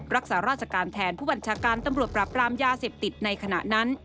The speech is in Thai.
รักษาราชการแทนผู้บัญชาการตำรวจปราบรามยาเสพติดในขณะนั้น